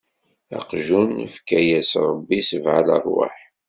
Aqjun ifka-yas Ṛebbi sebɛa leṛwaḥ.